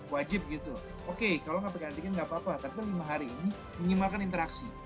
wajib gitu oke kalau nggak pakai antigen nggak apa apa tapi lima hari ini minimalkan interaksi